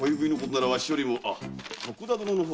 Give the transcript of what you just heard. ならわしよりも徳田殿の方が。